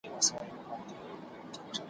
ماسېوا بل شی په میراث نه دي وړي